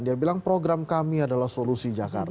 dia bilang program kami adalah solusi jakarta